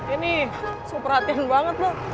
ini super hati hati banget lo